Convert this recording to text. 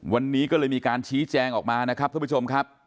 วันนี้ก็เลยมีการชี้แจงออกมานะครับท่านผู้ชมครับ